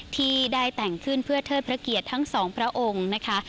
ที่ได้แต่งขึ้นเพื่อเทิดพระเกียรติทั้งสองพระองค์นะคะ